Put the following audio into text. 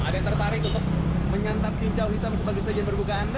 ada yang tertarik untuk menyantap cincau hitam sebagai sajian berbuka anda